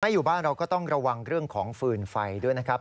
อยู่บ้านเราก็ต้องระวังเรื่องของฟืนไฟด้วยนะครับ